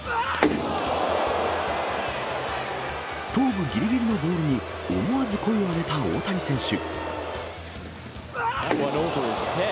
頭部ぎりぎりのボールに、思わず声を上げた大谷選手。